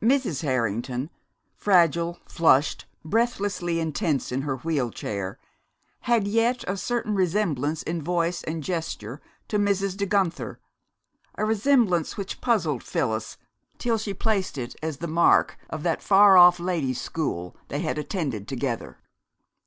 Mrs. Harrington, fragile, flushed, breathlessly intense in her wheel chair, had yet a certain resemblance in voice and gesture to Mrs. De Guenther a resemblance which puzzled Phyllis till she placed it as the mark of that far off ladies' school they had attended together.